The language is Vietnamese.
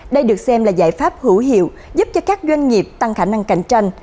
đây được xem là giải pháp hữu hiệu giúp cho các doanh nghiệp tăng khả năng cạnh tranh